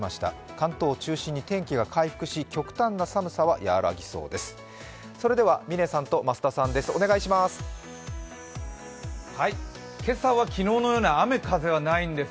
関東中心に天気が回復し極端な寒さは和らぎそうです。